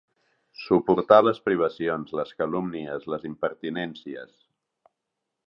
Suportar les privacions, les calúmnies, les impertinències.